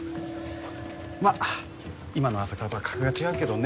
まあ今の浅川とは格が違うけどね。